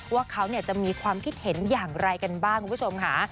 ว่าเขาจะมีความคิดเห็นอย่างไรกันบ้างคุณผู้ชมค่ะ